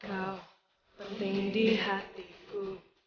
kau penting di hatiku